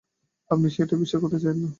আপনি সেটাই বিশ্বাস করতে চান, তাই না?